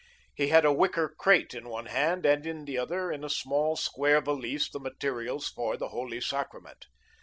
He had a wicker crate in one hand, and in the other, in a small square valise, the materials for the Holy Sacrament.